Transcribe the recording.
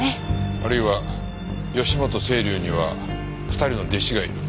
あるいは義本青流には２人の弟子がいる。